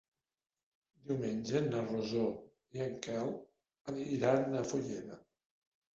Diumenge na Rosó i en Quel iran a Fulleda.